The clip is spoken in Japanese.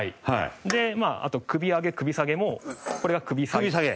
でまああと首上げ首下げもこれが首下げ。